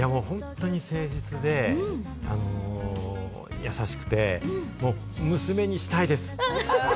本当に誠実で優しくて娘にしたいです。